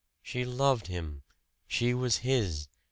She loved him! She was his!